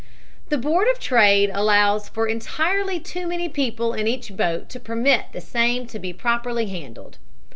"The Board of Trade allows for entirely too many people in each boat to permit the same to be properly handled.